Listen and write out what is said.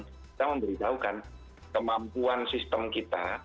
kita memberitahukan kemampuan sistem kita